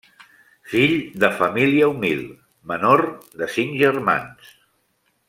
Fill de família humil, menor de cinc germans.